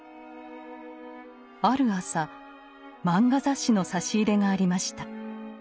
ある朝「漫画雑誌」の差し入れがありました。